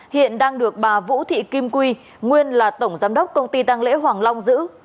hiện đang được bà vũ thị kim quy nguyên là tổng giám đốc công ty tăng lễ hoàng long giữ